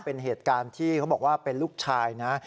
เป็นเหตุการณ์ที่เขาบอกว่าเป็นลูกชายนะ